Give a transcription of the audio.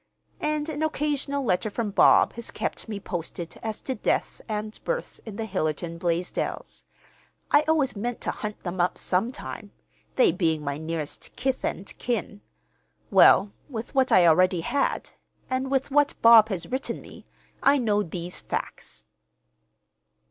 And an occasional letter from Bob has kept me posted as to deaths and births in the Hillerton Blaisdells. I always meant to hunt them up some time, they being my nearest kith and kin. Well, with what I already had, and with what Bob has written me, I know these facts."